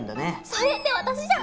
それって私じゃん。